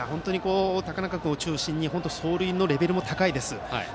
高中君を中心に走塁のレベルも高いですよね。